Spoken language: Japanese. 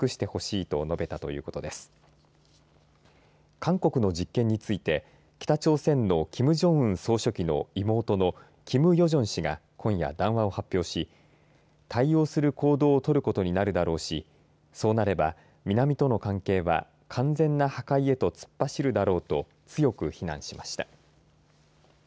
韓国の実験について北朝鮮のキム・ジョンウン総書記の妹のキム・ヨジョン氏が今夜談話を発表し対応する行動をとることになるだろうしそうなれば南との関係は完全な破壊へと突っ走るだろうと強く非難しました。